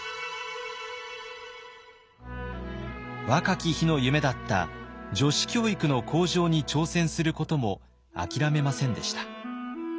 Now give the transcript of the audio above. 若き日の夢だった女子教育の向上に挑戦することも諦めませんでした。